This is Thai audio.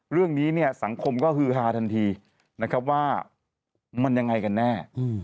เรื่องนี้สังคมก็ฮือฮาทันทีว่ามันอย่างไรกันแน่